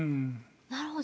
なるほど。